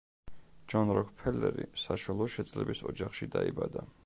ჯონ როკფელერი საშუალო შეძლების ოჯახში დაიბადა.